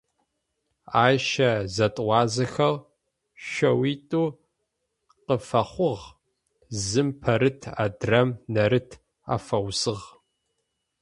Айщэ зэтӏуазэхэу шъэуитӏу къыфэхъугъ: зым Пэрыт адрэм Нэрыт афаусыгъ.